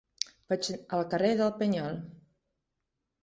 Vaig al carrer del Penyal.